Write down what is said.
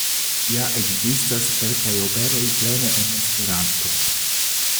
Ja ekzistas kelkaj operoj plene en Esperanto.